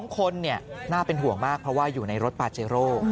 ๒คนน่าเป็นห่วงมากเพราะว่าอยู่ในรถปาเจโร่